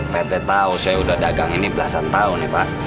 pak rt tau saya udah dagang ini belasan tahun ya pak